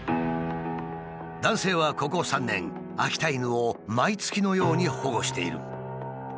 男性はここ３年秋田犬を毎月のように保護している。